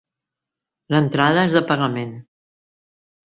L'entrada és de pagament.